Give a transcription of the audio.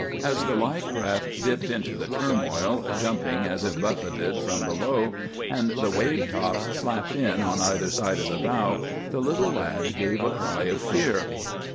As the light craft dipped into the turmoil, jumping as if buffeted from below, and the wave tops slapped in on either side of the bow, the little lad gave a cry of fear.